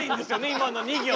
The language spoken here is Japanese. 今の２行。